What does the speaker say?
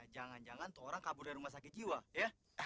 jangan jangan tuh orang kabur dari rumah sakit jiwa ya